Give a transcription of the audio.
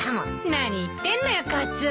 何言ってんのよカツオ。